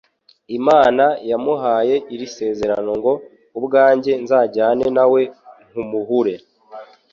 Imana yamuhaye iri sezerano ngo : "Ubwanjye nzajyana nawe nkumhure."